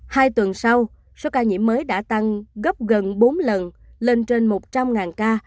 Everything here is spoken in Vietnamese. hai tuần sau số ca nhiễm mới đã tăng gấp gần bốn lần lên trên một trăm linh ca